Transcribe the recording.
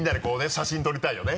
写真撮りたいよね。